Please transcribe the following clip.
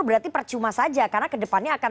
berarti percuma saja karena ke depannya akan